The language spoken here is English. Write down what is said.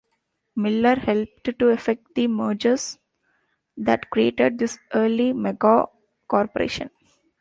Miller helped to effect the mergers that created this early mega-corporation.